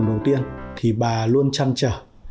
trong lòng đầu tiên thì bà luôn chăn trở